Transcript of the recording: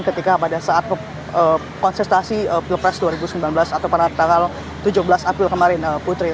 ketika pada saat konsultasi pilpres dua ribu sembilan belas atau pada tanggal tujuh belas april kemarin putri